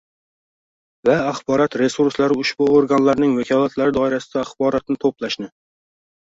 va axborot resurslari ushbu organlarning vakolatlari doirasida axborotni to‘plashni